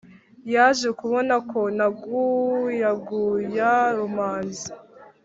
yaje kubona ko naguyaguya rumanzi